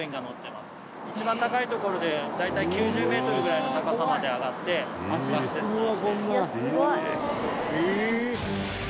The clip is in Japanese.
一番高い所で大体９０メートルぐらいの高さまで上がってガス切断しています。